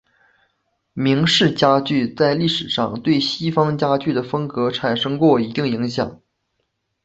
明式家具在历史上对西方家具的风格产生过一定影响。